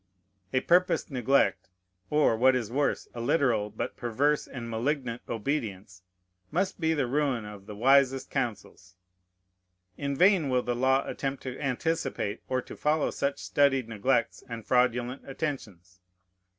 A purposed neglect, or, what is worse, a literal, but perverse and malignant obedience, must be the ruin of the wisest counsels. In vain will the law attempt to anticipate or to follow such studied neglects and fraudulent attentions.